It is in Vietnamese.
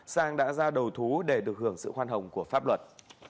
sang đã ra đầu thú để được hưởng sự khoan hồng của pháp luật